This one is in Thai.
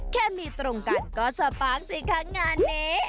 แค่มีตรงกันก็สปานสิคะงานนี้